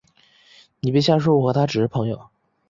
你别瞎说，我和他只是朋友